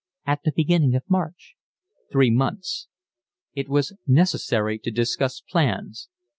"At the beginning of March." "Three months." It was necessary to discuss plans.